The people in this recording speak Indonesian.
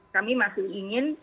kami masih ingin